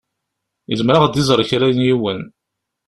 Izmer ad ɣ-d-iẓeṛ kra n yiwen.